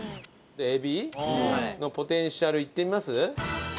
海老のポテンシャルいってみます？